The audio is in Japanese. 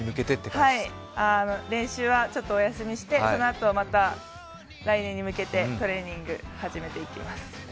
そうですね、練習はちょっとお休みしてそのあとまた来年に向けてトレーニングを始めていきます。